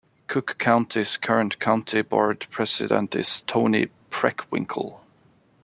Cook County's current County Board president is Toni Preckwinkle.